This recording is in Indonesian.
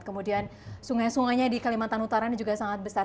kemudian sungai sungainya di kalimantan utara ini juga sangat besar